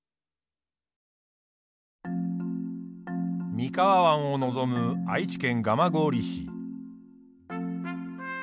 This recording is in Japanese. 三河湾をのぞむ愛知県蒲郡市。